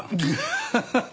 ハハハハ。